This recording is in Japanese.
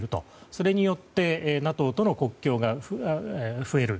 それによってＮＡＴＯとの国境が増える。